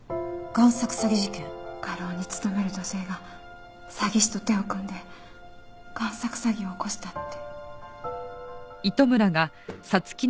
画廊に勤める女性が詐欺師と手を組んで贋作詐欺を起こしたって。